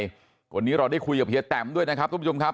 วันนี้เราได้คุยให้ศัพท์ด้วยนะครับทุกผู้ชมครับ